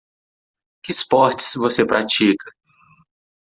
Que esportes você pratica?